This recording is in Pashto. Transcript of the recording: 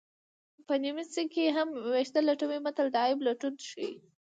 په نیمڅي کې هم ویښته لټوي متل د عیب لټون ښيي